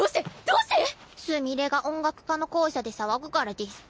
どうして⁉すみれが音楽科の校舎で騒ぐからデス。